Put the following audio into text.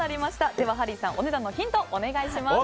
では、ハリーさんお値段のヒントをお願いします。